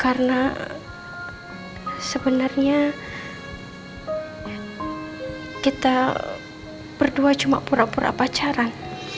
karena sebenarnya kita berdua cuma pura pura pacaran